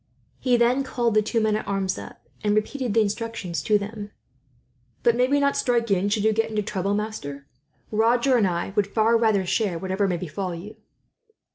He then called the two men at arms up, and repeated the instructions relating to them. "But may we not strike in, should you get into trouble, master? Roger and I would far rather share whatever may befall you."